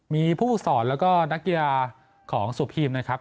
มีผู้สอนแล้วก็นักกีฬาของสุพีมนะครับ